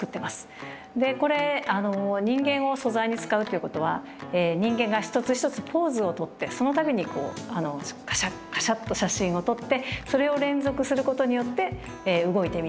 これ人間を素材に使うっていうことは人間が一つ一つポーズをとってその度にカシャッカシャッと写真を撮ってそれを連続することによって動いて見える。